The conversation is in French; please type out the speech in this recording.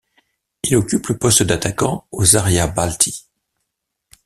Il occupe le poste d'attaquant au Zaria Bălți.